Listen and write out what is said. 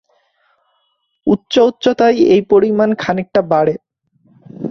উচ্চ উচ্চতায় এই পরিমাণ খানিকটা বাড়ে।